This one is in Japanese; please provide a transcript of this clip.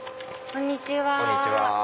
こんにちは。